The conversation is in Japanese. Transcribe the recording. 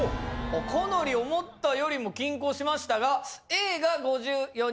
かなり思ったよりも拮抗しましたがＡが５４人。